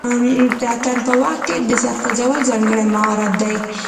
د اتن په وخت کې د سر خوځول ځانګړی مهارت دی.